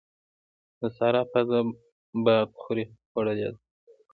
د سارا پزه بادخورې خوړلې ده.